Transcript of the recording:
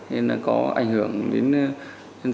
nên là có ảnh hưởng đến